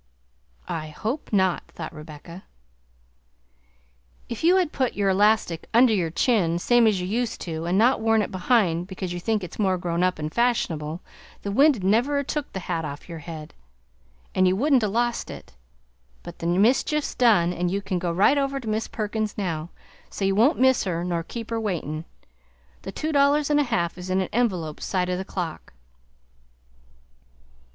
"I hope not!" thought Rebecca. "If you had put your elastic under your chin, same as you used to, and not worn it behind because you think it's more grown up an' fash'onable, the wind never'd a' took the hat off your head, and you wouldn't a' lost it; but the mischief's done and you can go right over to Mis' Perkins now, so you won't miss her nor keep her waitin'. The two dollars and a half is in an envelope side o' the clock."